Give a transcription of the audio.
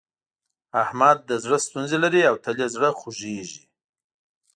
احمد د زړه ستونزې لري او تل يې زړه خوږېږي.